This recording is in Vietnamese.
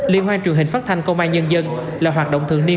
liên hoan truyền hình phát thanh công an nhân dân là hoạt động thường niên